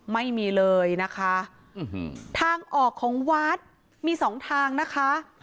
ไม่มีเลยนะคะทางออกของวัดมีสองทางนะคะ